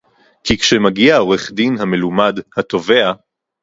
כי כשמגיע העורך-דין המלומד, התובע